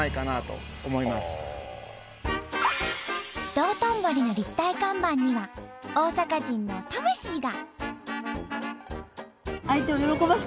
道頓堀の立体看板には大阪人の魂が。